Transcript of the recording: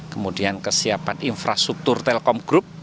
kemudian kesiapan infrastruktur telkom group